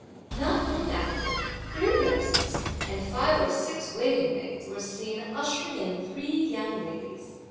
Not long after three nurses and five or six waiting maids were seen ushering in three young ladies.